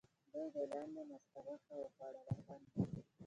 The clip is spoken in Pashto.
دوی د لاندي مسته غوښه وخوړه له خوند نه.